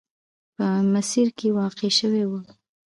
په مسیر کې واقع شوې وه.